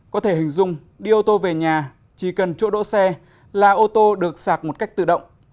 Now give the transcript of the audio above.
không đi ô tô về nhà chỉ cần chỗ đỗ xe là ô tô được sạc một cách tự động